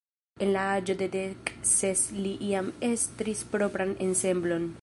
En la aĝo de dek ses li jam estris propran ensemblon.